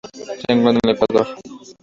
Se encuentra en el Ecuador.